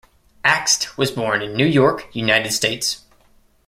Akst was born in New York, United States.